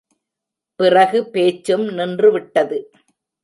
பிறகு பேச்சும் நின்றுவிட்டது.